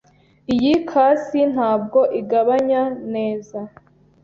Iyi kasi ntabwo igabanya neza.